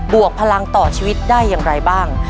วกพลังต่อชีวิตได้อย่างไรบ้าง